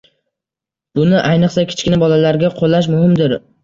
Buni ayniqsa kichkina bolalarga qo‘llash muhimdir.